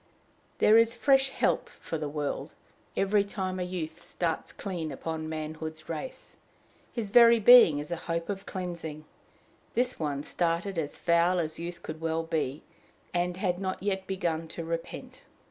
There is fresh help for the world every time a youth starts clean upon manhood's race; his very being is a hope of cleansing: this one started as foul as youth could well be, and had not yet begun to repent.